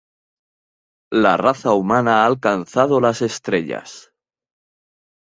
La raza humana ha alcanzado las estrellas.